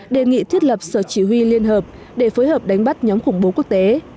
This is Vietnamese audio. đề nghị thiết lập sở chỉ huy liên hợp để phối hợp đánh bắt nhóm khủng bố quốc tế